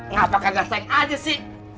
ngapakan dah sayang aja sih